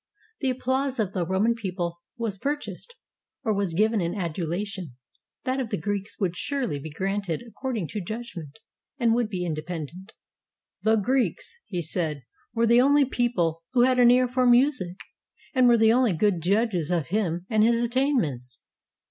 The applause of the Roman people was pur chased, or was given in adulation; that of the Greeks would surely be granted according to judgment, and would be independent. "The Greeks," said he, "were the only people who had an ear for music, and were the only good judges of him and his attainments."